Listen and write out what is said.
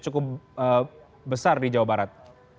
cukup besar di jawa barat